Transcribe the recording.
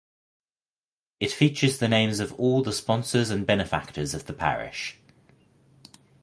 It features the names of all the sponsors and benefactors of the parish.